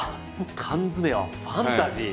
缶詰はファンタジー？